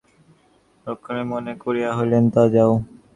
রাজলক্ষ্মী মনে মনে অভিমান করিয়া কহিলেন, তা যাও।